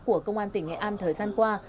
của công an tỉnh nghệ an thời gian qua